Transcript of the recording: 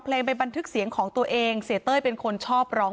เพลงที่สุดท้ายเสียเต้ยมาเสียชีวิตค่ะ